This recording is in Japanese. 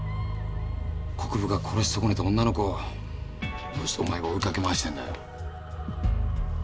国府が殺し損ねた女の子をどうしてお前が追いかけ回してんだよ？